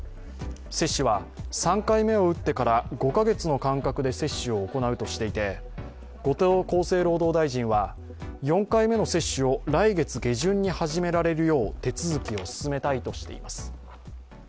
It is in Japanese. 接種は３回目を打ってから５カ月の間隔で接種を行うとしていて後藤厚生労働大臣は４回目の接種を来月下旬に始められるよう手続きを進めたいとしています。